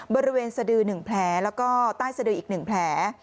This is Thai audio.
บริเวณสดือ๑แผลแล้วก็ใต้สดืออีก๑แผล